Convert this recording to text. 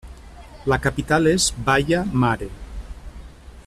La capital és Baia Mare.